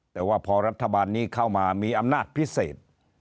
แต่ว่าพอรัฐบาลนี้เข้ามามีอำนาจพิเศษ